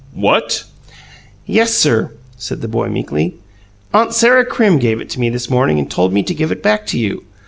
"What?" "Yes, sir," said the boy meekly. "Aunt Sarah Crim gave it to me this morning and told me to give it back to you.